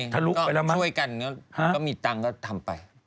ก็ไม่เป็นไรก็ช่วยกันก็มีตังค์ก็ทำไป